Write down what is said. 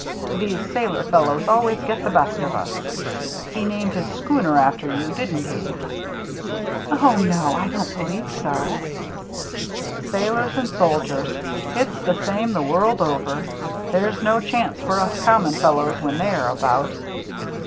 These sailor fellows always get the best of us. He named his schooner after you, didn't he?" " Oh, no, I don't believe so." " Sailors and soldiers — it's the same the world over ! There's no chance for us com mon fellows when they are about.